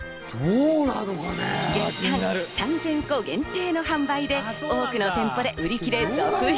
若干３０００個限定の販売で多くの店舗で売り切れ続出。